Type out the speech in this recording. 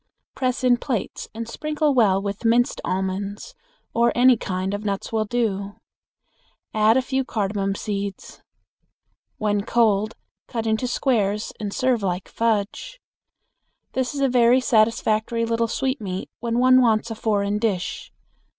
Press in plates and sprinkle well with minced almonds, or any kind of nuts will do. Also add a few cardamon seeds. When cold, cut into squares and serve like fudge. This is a very satisfactory little sweetmeat when one wants a foreign dish.